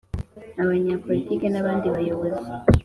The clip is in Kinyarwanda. abanyapolitiki n abandi bayobozi